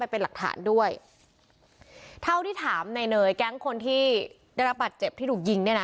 เป็นหลักฐานด้วยเท่าที่ถามในเนยแก๊งคนที่ได้รับบัตรเจ็บที่ถูกยิงเนี่ยนะ